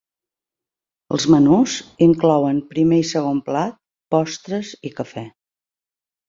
Els menús inclouen primer i segon plat, postres i cafè.